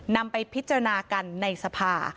นำไปพิจารณากันในสภา